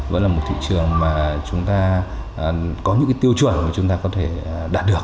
vẫn là một thị trường mà chúng ta có những cái tiêu chuẩn mà chúng ta có thể đạt được